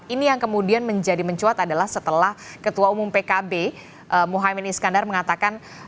ini yang kemudian menjadi mencuat adalah setelah ketua umum pkb mohaimin iskandar mengatakan